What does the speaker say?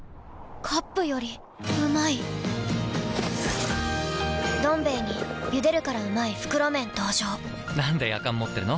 カップよりうまい「どん兵衛」に「ゆでるからうまい！袋麺」登場なんでやかん持ってるの？